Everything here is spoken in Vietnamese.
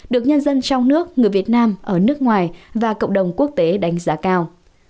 được nhân dân trong nước người việt nam ở nước ngoài và cộng đồng quốc tế đánh giá cao